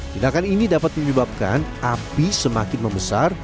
tindakan ini dapat menyebabkan api semakin membesar